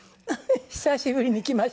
久しぶりに着ました。